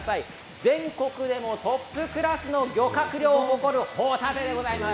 全国でもトップクラスの漁獲量を誇るホタテでございます。